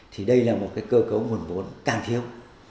thì đây là một cơ cấu nguồn vốn càng thiếu